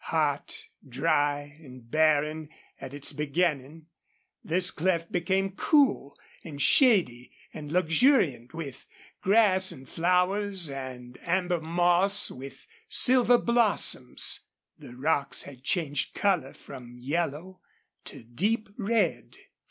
Hot, dry, and barren at its beginning, this cleft became cool and shady and luxuriant with grass and flowers and amber moss with silver blossoms. The rocks had changed color from yellow to deep red.